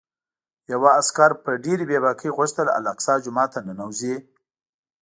یوه عسکر په ډېرې بې باکۍ غوښتل الاقصی جومات ته ننوځي.